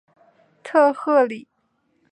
特赫里。